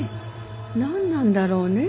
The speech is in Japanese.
何なんだろうね。